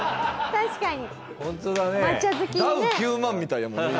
確かに。